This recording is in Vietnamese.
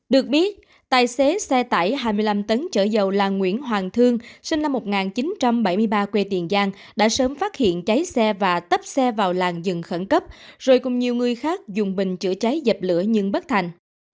được biết tài xế xe tải hai mươi năm tấn chở dầu là nguyễn hoàng thương sinh năm một nghìn chín trăm bảy mươi ba quê tiền giang đã sớm phát hiện cháy xe và tấp xe vào làng dừng khẩn cấp rồi cùng nhiều người khác dùng bình chữa cháy dập lửa nhưng bất thành